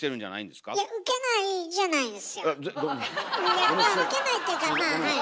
いや受けないっていうかまあはい。